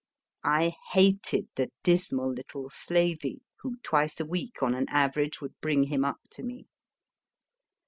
I hated the dismal little slavey who, twice a week, on an average, would bring him up to me.